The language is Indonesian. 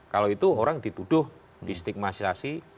kalau itu orang dituduh distigmatisasi